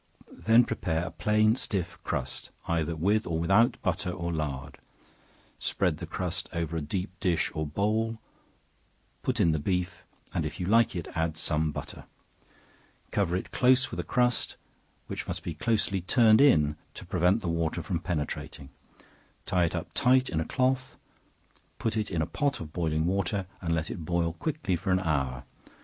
Then prepare a plain stiff crust, either with or without butter or lard; spread the crust over a deep dish or bowl, put in the beef, and if you like it, add some butter; cover it close with a crust which must be closely turned in to prevent the water from penetrating; tie it up tight in a cloth, put it in a pot of boiling water and let it boil quickly for an hour.